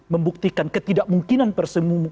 membuktikan ketidakmungkinan persemu